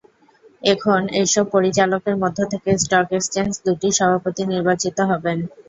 এখন এসব পরিচালকের মধ্য থেকে স্টক এক্সচেঞ্জ দুটির সভাপতি নির্বাচিত হবেন।